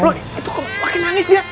lho itu kemarin nangis dia